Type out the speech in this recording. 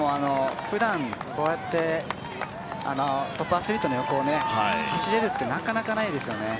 ふだん、こうやってトップアスリートの横を走れるっていうのはなかなかないですよね。